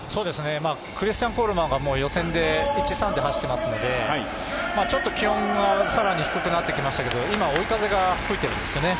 クリスチャン・コールマンが予選で１３で走ってますので気温が更に低くなってきましたけど、今、追い風が吹いてるんですよね